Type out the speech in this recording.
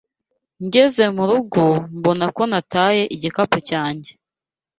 Ngeze mu rugo, mbona ko nataye igikapu cyanjye.